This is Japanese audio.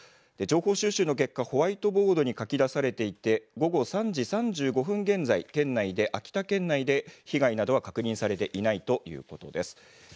情報収集の結果、ホワイトボードに書きだされていて午後３時３５分現在、県内で秋田県内で被害などは確認されていないということです。